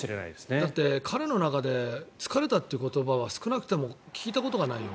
だって彼の中で疲れたという言葉は少なくとも聞いたことがないよ